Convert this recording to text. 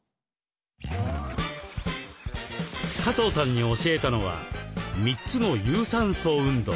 加藤さんに教えたのは３つの有酸素運動。